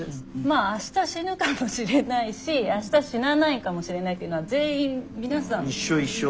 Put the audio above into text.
明日死ぬかもしれないし明日死なないかもしれないというのは全員皆さん一緒一緒。